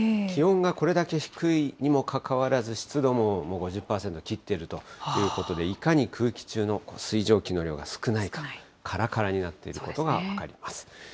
気温がこれだけ低いにもかかわらず、湿度ももう５０％切っているということで、いかに空気中の水蒸気の量が少ないか、からからになっていることが分かります。